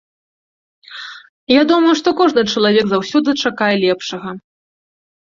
Я думаю, што кожны чалавек заўсёды чакае лепшага.